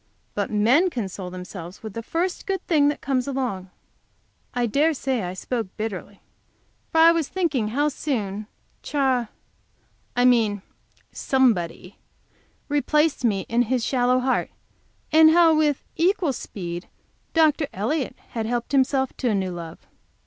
But men console themselves with the first good thing that comes along." I dare say I spoke bitterly, for I was thinking how soon Ch , I mean somebody, replaced me in his shallow heart, and how, with equal speed, Dr. Elliott had helped himself to a new love.